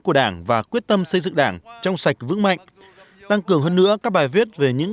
của đảng và quyết tâm xây dựng đảng trong sạch vững mạnh tăng cường hơn nữa các bài viết về những